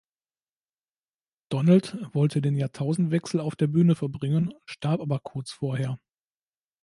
Donald wollte den Jahrtausendwechsel auf der Bühne verbringen, starb aber kurz vorher.